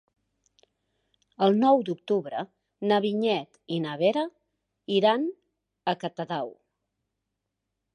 El nou d'octubre na Vinyet i na Vera iran a Catadau.